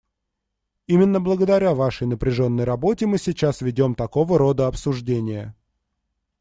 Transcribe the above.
Именно благодаря Вашей напряженной работе мы ведем сейчас такого рода обсуждение.